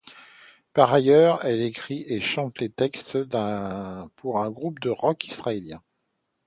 Par ailleurs, elle écrit et chante des textes pour un groupe de rock israélien.